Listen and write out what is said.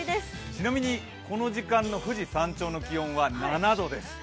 ちなみに、この時間の富士山頂の気温は７度です。